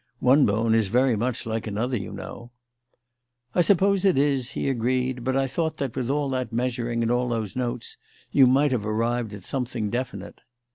"One bone is very much like another, you know." "I suppose it is," he agreed; "but I thought that, with all that measuring and all those notes, you might have arrived at something definite."